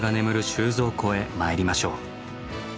収蔵庫へ参りましょう。